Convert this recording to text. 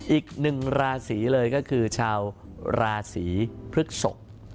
อีกหนึ่งราศีเลยก็คือชาวราศีพฤกษก